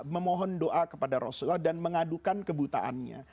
memohon doa kepada rasulullah dan mengadukan kebutaannya